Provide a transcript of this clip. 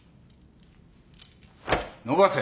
伸ばせ。